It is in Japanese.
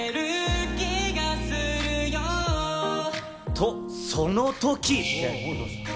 と、その時。